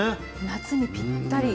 夏にぴったり。